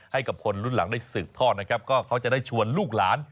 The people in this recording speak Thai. ให้กับคนรุ่นหลังได้สืบทอดนะครับก็เขาจะได้ชวนลูกหลาน